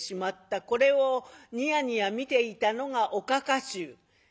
これをニヤニヤ見ていたのがおかか衆。